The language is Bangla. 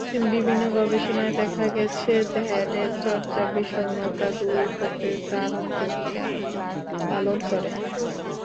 বিভিন্ন গবেষণায় দেখা গেছে, ধ্যানের চর্চা বিষণ্নতা দূর করতে দারুণ ভূমিকা পালন করে।